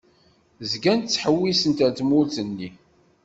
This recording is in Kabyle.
Zgant ttḥewwisent ar tmurt-nni.